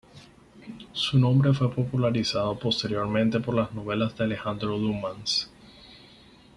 Su nombre fue popularizado posteriormente por las novelas de Alejandro Dumas.